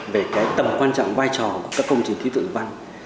về cái tầm quan trọng vai trò của các công trình khí tượng thủy văn